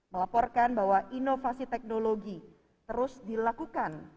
melaporkan bahwa inovasi teknologi terus dilakukan